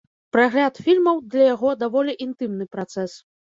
Прагляд фільмаў для яго даволі інтымны працэс.